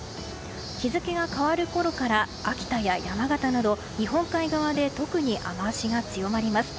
日付が変わるころから秋田や山形など日本海側で特に雨脚が強まります。